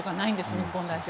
日本代表。